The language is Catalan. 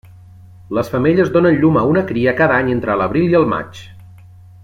Les femelles donen a llum una cria cada any entre l'abril i el maig.